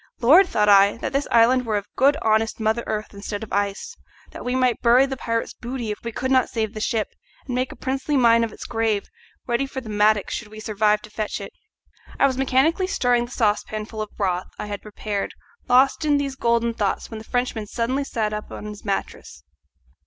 Lord! thought I, that this island were of good honest mother earth instead of ice, that we might bury the pirate's booty if we could not save the ship, and make a princely mine of its grave, ready for the mattock should we survive to fetch it! I was mechanically stirring the saucepan full of broth I had prepared, lost in these golden thoughts, when the Frenchman suddenly sat up on his mattress.